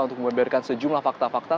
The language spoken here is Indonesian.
untuk membeberkan sejumlah fakta fakta